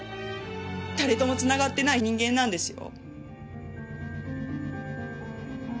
誰ともつながってない人間なんですよ。